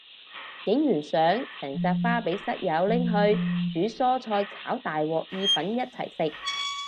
影完相成紮花俾室友拎去煮蔬菜炒大鑊意粉一齊食